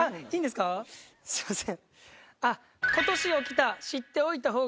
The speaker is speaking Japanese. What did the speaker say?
すいません。